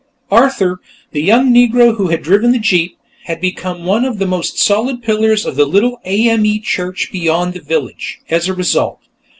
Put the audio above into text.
Arthur, the young Negro who had driven the jeep, had become one of the most solid pillars of the little A.M.E. church beyond the village, as a result.